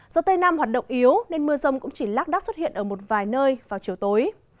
gió tây nam hoạt động yếu nên mưa rông cũng chỉ lác đác xuất hiện ở một vài nơi vào chiều tối